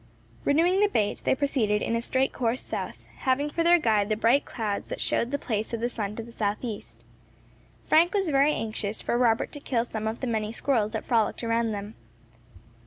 Renewing the bait, they proceeded in a straight course south, having for their guide the bright clouds that showed the place of the sun to the south east. Frank was very anxious for Robert to kill some of the many squirrels that frolicked around them.